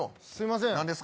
すいません